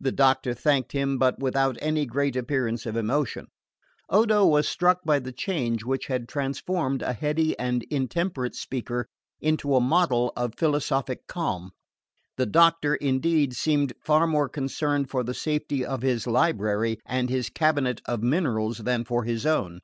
The doctor thanked him, but without any great appearance of emotion: Odo was struck by the change which had transformed a heady and intemperate speaker into a model of philosophic calm. The doctor, indeed, seemed far more concerned for the safety of his library and his cabinet of minerals than for his own.